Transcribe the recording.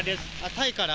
タイから？